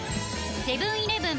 セブン−イレブン